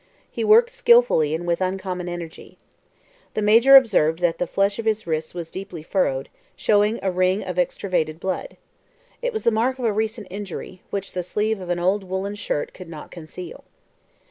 He worked skilfully and with uncommon energy. The Major observed that the flesh of his wrists was deeply furrowed, showing a ring of extravasated blood. It was the mark of a recent injury, which the sleeve of an old woolen shirt could not conceal.